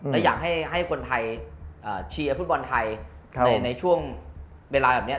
และอยากให้คนไทยเชียร์ฟุตบอลไทยในช่วงเวลาแบบนี้